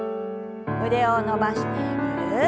腕を伸ばしてぐるっと。